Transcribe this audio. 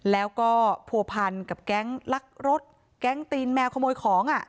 แล้วก็ผัวพันกับแก๊งลักรถแก๊งตีนแมวขโมยของ